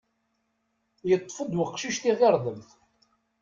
Yeṭṭef-d uqcic tiɣirdemt.